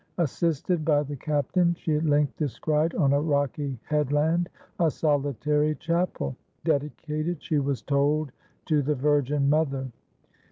Assisted by the captain, she at length descried on a rocky headland a solitary chapel, dedicated, she was told, to the Virgin Mother.